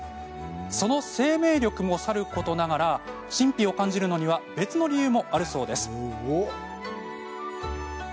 その生命力もさることながら神秘を感じるのには別の理由もあるそうです。